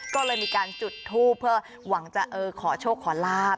ก็เลยมีการจุดทูปเพื่อหวังจะขอโชคขอลาบ